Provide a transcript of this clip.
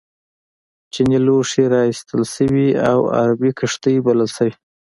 چینی لوښي را ایستل شوي او عربي کښتۍ بلل شوي.